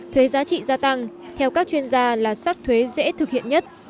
thuế giá trị gia tăng theo các chuyên gia là sắc thuế dễ thực hiện nhất